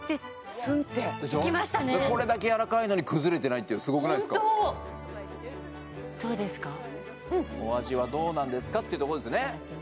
スンってこれだけ軟らかいのに崩れてないってすごくないですかどうですかお味はどうなんですかってとこですね